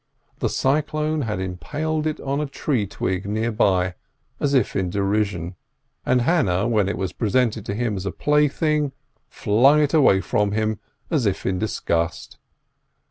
The cyclone had impaled it on a tree twig near by, as if in derision; and Hannah, when it was presented to him as a plaything, flung it away from him as if in disgust.